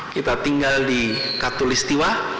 kita tinggal di katulistiwa